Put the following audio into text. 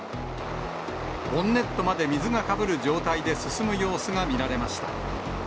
ボンネットまで水がかぶる状態で進む様子が見られました。